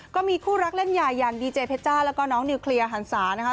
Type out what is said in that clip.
ก็มีคู่รักเล่นใหญ่อย่างดีเจเพชจ้าแล้วก็น้องนิวเคลียร์หันศานะคะ